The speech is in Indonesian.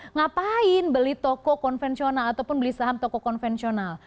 ngapain beli toko konvensional ataupun beli saham toko konvensional